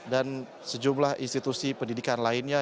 dan sejumlah institusi pendidikan lainnya